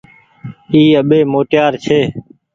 اي اٻي موٽيار ڇي۔